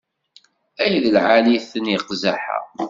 Ay d lɛali-ten iqzaḥ-a!